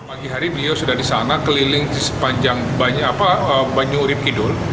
pagi hari beliau sudah di sana keliling di sepanjang banyu urib kidul